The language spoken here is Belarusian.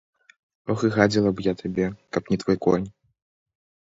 Ох і гадзіла б я табе, каб не твой конь.